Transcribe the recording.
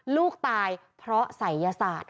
ลูกตายเพราะศัยยศาสตร์